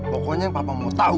pokoknya yang bapak mau tahu